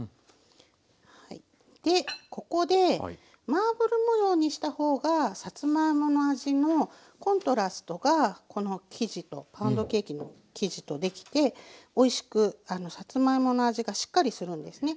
ここでマーブル模様にした方がさつまいもの味のコントラストがこの生地とパウンドケーキの生地とできておいしくさつまいもの味がしっかりするんですね。